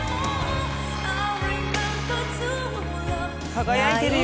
輝いてるよ。